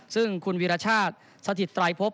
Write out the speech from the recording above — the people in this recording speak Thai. ซึ่งคุณวีรชาติสถิตไตรพบ